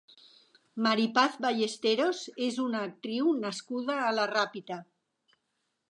Mari Paz Ballesteros és una actriu nascuda a la Ràpita.